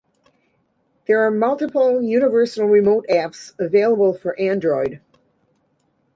There are multiple universal remote apps available for Android.